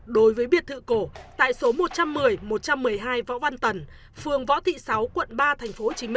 đối với biệt thự cổ tại số một trăm một mươi một trăm một mươi hai võ văn tần phường võ thị sáu quận ba tp hcm